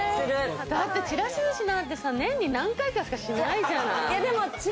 ちらしずしなんて年に何回かしかしないじゃない。